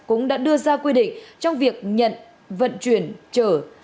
cũng đã đưa ra quy định trong việc nhận vận chuyển chở